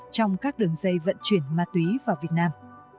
trong các đường dây vận chuyển ma túy vào việt nam